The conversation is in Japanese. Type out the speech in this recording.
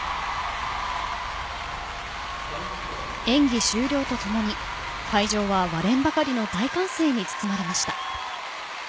演技終了とともに会場は割れんばかりの大歓声に包まれました。